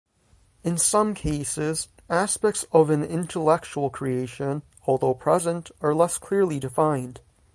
In some cases, aspects of an intellectual creation, although present, are less clearly defined.